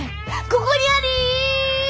ここにあり！」。